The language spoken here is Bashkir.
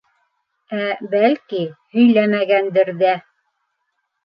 Ә, бәлки, һөйләмәгәндер ҙә?!